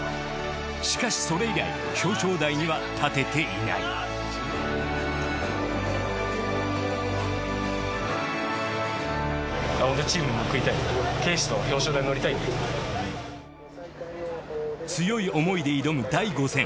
しかしそれ以来表彰台には立てていない強い思いで挑む第５戦。